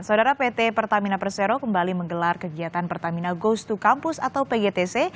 saudara pt pertamina persero kembali menggelar kegiatan pertamina goes to campus atau pgtc